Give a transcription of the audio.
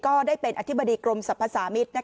ก็ได้เป็นอธิบดีกรมสรรพสามิตร